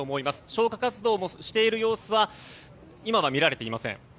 消火活動もしている様子は今は見られていません。